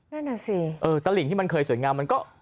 นั่นน่ะสิเออตลิ่งที่มันเคยสวยงามมันก็